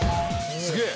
すげえ！